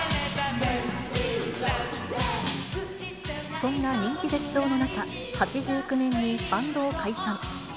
そんな人気絶頂の中、８９年にバンドを解散。